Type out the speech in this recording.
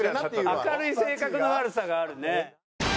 明るい性格の悪さがあるね。